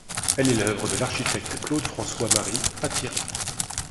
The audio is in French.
Elle est l'œuvre de l'architecte Claude-François-Marie Attiret.